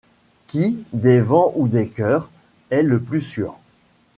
Qui, des vents ou des cœurs, est le plus sûr?